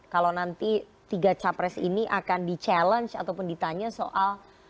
kalau nanti tiga capres ini akan di challenge ataupun ditanya soal